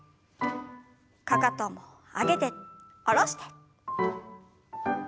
かかとも上げて下ろして。